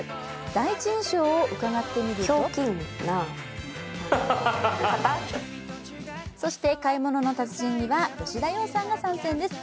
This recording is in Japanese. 第一印象を伺ってみるとそして、「買い物の達人」には吉田羊さんが参戦です。